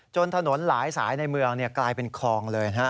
ถนนหลายสายในเมืองกลายเป็นคลองเลยฮะ